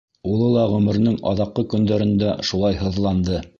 Улы ла ғүмеренең аҙаҡҡы көндәрендә шулай һыҙланды.